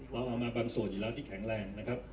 เราเอามาบางส่วนอยู่แล้วที่แข็งแรงนะครับ